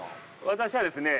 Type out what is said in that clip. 私はですね